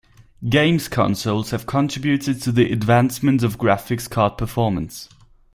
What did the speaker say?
Games consoles have contributed to the advancement of graphics card performance.